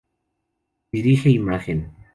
Dirige Imagen.